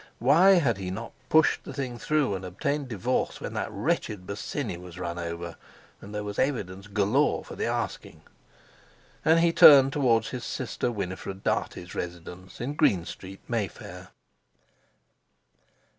Why had he not pushed the thing through and obtained divorce when that wretched Bosinney was run over, and there was evidence galore for the asking! And he turned towards his sister Winifred Dartie's residence in Green Street, Mayfair.